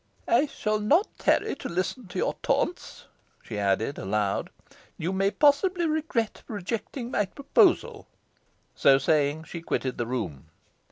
"I shall not tarry to listen to your taunts," she added, aloud. "You may possibly regret rejecting my proposal." So saying, she quitted the room.